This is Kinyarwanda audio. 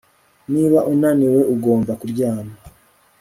Niba unaniwe ugomba kuryama